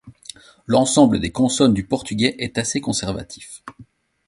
L'ensemble des consonnes du portugais est assez conservatif.